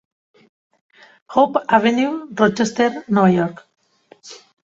Hope Avenue, Rochester, Nova York.